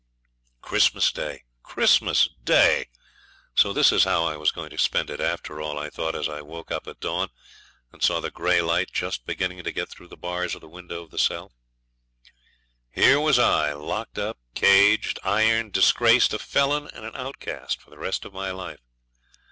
..... Christmas Day! Christmas Day! So this is how I was to spend it after all, I thought, as I woke up at dawn, and saw the gray light just beginning to get through the bars of the window of the cell. Here was I locked up, caged, ironed, disgraced, a felon and an outcast for the rest of my life.